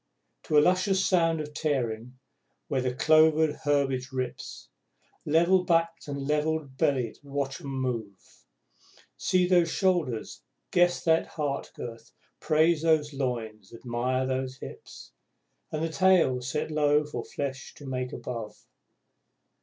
To a luscious sound of tearing, where the clovered herbage rips, Level backed and level bellied watch 'em move. See those shoulders, guess that heart girth, praise those loins, admire those hips, And the tail set low for flesh to make above!